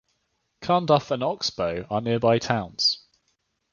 Carnduff and Oxbow are nearby towns.